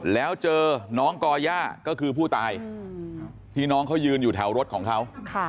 แล้วเจอน้องก่อย่าก็คือผู้ตายที่น้องเขายืนอยู่แถวรถของเขา